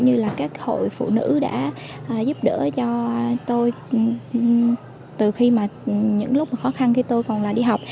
như là các hội phụ nữ đã giúp đỡ cho tôi từ khi mà những lúc khó khăn khi tôi còn là đi học